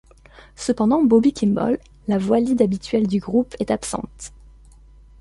Cependant Bobby Kimball, la voix lead habituelle du groupe, est absente.